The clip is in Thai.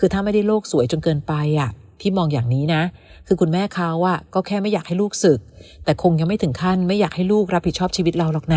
ถ้าไม่ได้โลกสวยจนเกินไปที่มองอย่างนี้